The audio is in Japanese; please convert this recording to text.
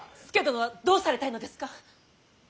佐殿はどうされたいのですか。